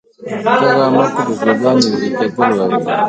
دغه عمل ته ذوبان یا ویلي کیدل وایي.